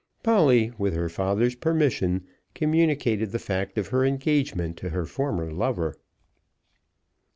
Polly, with her father's permission, communicated the fact of her engagement to her former lover.